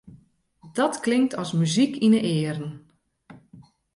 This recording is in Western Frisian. Dat klinkt as muzyk yn 'e earen.